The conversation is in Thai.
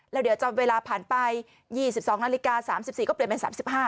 แล้วเดี๋ยวจะเวลาผ่านไป๒๒นาฬิกา๓๔ก็เปลี่ยนเป็น๓๕